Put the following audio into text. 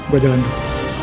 gue jalan dulu